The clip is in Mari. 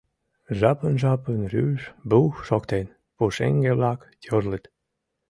Жапын-жапын, рӱж-бух шоктен, пушеҥге-влак йӧрлыт.